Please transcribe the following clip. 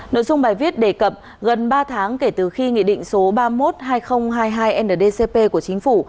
nội dung bài viết đề cập gần ba tháng kể từ khi nghị định số ba mươi một hai nghìn hai mươi hai ndcp của chính phủ